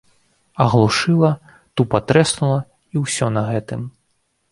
Аглушыла, тупа трэснула, і ўсё на гэтым.